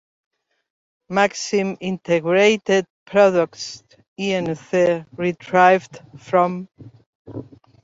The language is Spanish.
Maxim Integrated Products, Inc., retrieved from